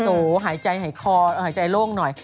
โหหายใจหายคอหายใจโล่งหน่อย